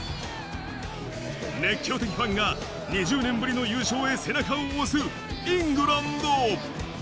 熱狂的ファンが２０年ぶりの優勝へ背中を押すイングランド。